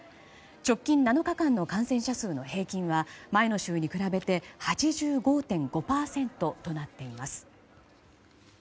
直近７日間の感染者数の平均は前の週に比べて８５．５％となっています。